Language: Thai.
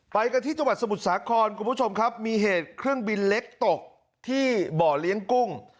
ไปกันที่จังหวัดสมุทรสาครคุณผู้ชมครับมีเหตุเครื่องบินเล็กตกที่บ่อเลี้ยงกุ้ง